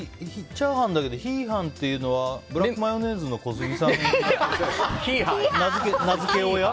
チャーハンだけどヒーハンっていうのはブラックマヨネーズの小杉さんが名付け親？